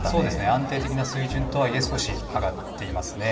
安定的な水準とはいえ、少し上がっていますね。